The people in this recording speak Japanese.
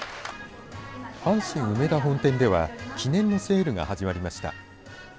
阪神梅田本店では記念のセールが始まりました。